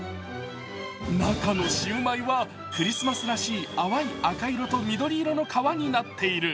中のシウマイはクリスマスらしい淡い赤色と緑色の皮になっている。